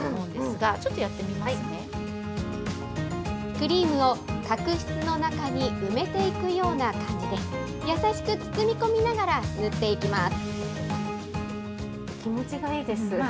クリームを角質の中に埋めていくような感じで、優しく包み込みながら塗っていきます。